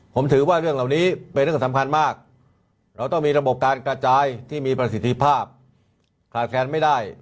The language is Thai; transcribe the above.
ผมถือว่าเรื่องเหล่านี้เป็นเรื่องสำคัญมากเราต้องมีระบบการกระจายที่มีประสิทธิภาพขาดแคลนไม่ได้